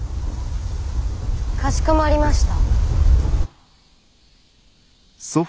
かしこまりました。